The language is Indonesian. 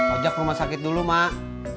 ojak ke rumah sakit dulu mak